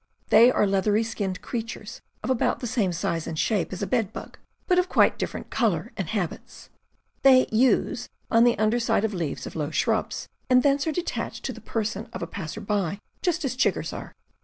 They are leathery skinned creatures of about the same size and shape as a bedbug, but of quite different color and habits. They "use" on the under side of leaves of low shrubs, and thence are detached to the person of a passer by just as chiggers are.